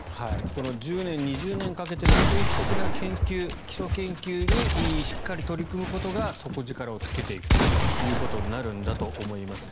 この１０年２０年かけての長期的な研究基礎研究にしっかり取り組むことが底力をつけていくということになるんだと思います。